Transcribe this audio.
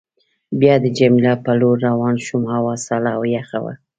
بیا د جميله په لور روان شوم، هوا سړه او یخه وه.